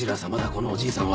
このおじいさんは。